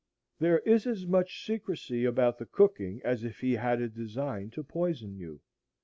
There is as much secrecy about the cooking as if he had a design to poison you.